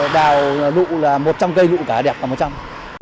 đào lụ là một trong cây lụ cả đẹp cả một trong